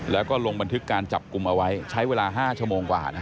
แล้วก็ลงบันทึกการจับกลุ่มเอาไว้ใช้เวลา๕ชั่วโมงกว่า